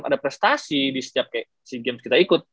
ada prestasi di setiap si game kita ikut